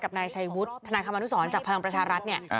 กับนายชายวุฒิธนาคมธุรกิจสอนจากพลังประชารัฐเนี่ย